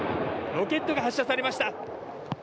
ロケットが発射されました。